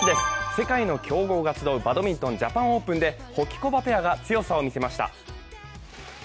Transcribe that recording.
世界の強豪が集うバドミントンジャパンオープンで、ホキコバペアが強さを見せました。